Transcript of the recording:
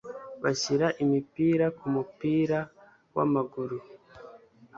bashyira imipira ku mupira wamaguru